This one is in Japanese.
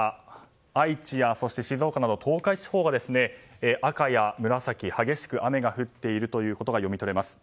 愛知や静岡など東海地方が赤や紫激しく雨が降っていることが読み取れます。